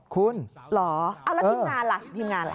คุณเหรอเอาแล้วทีมงานล่ะทีมงานล่ะ